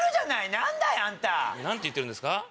何て言ってるんですか？